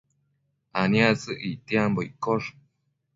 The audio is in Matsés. aniactsëc ictiambo iccosh